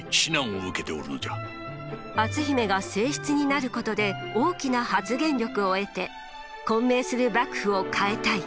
篤姫が正室になることで大きな発言力を得て混迷する幕府を変えたい。